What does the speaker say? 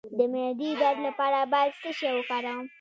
د معدې درد لپاره باید څه شی وکاروم؟